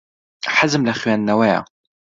حەزم لە خوێندنەوەیە.